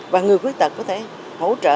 và người khuyết tật có thể hỗ trợ